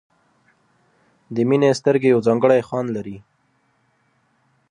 د مینې سترګې یو ځانګړی خوند لري.